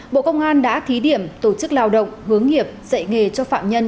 bộ công an đã thí điểm tổ chức lao động hướng nghiệp dạy nghề cho phạm nhân